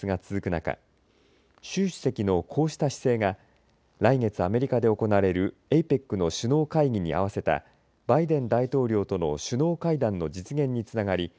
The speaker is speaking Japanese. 中習主席のこうした姿勢が来月アメリカで行われるＡＰＥＣの首脳会議に合わせたバイデン大統領との首脳会談の実現につながり